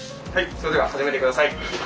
それでは始めて下さい。